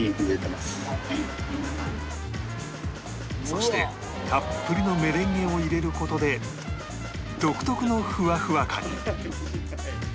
そしてたっぷりのメレンゲを入れる事で独特のフワフワ感に